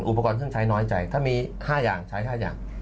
อุปกรณ์เครื่องใช้น้อยใจถ้ามี๕อย่างใช้๕อย่าง